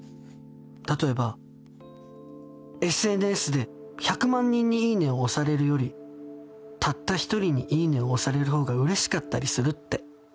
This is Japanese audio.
例えばＳＮＳで１００万人に『いいね』を押されるよりたった１人に『いいね』を押される方が嬉しかったりするって。